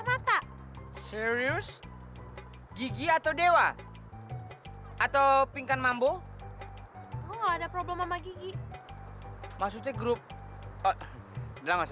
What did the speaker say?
mata serius gigi atau dewa atau pingkan mambo ada problem sama gigi maksudnya grup dalam mas